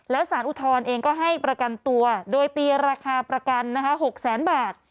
แล้วสารอุทธรณ์เองก็ให้ประกันตัวโดยตีราคาประกันนะคะ๖แสนบาท